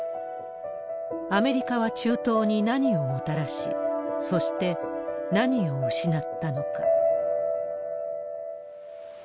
アメリカは中東に何をもたらし、そして何を失ったのか。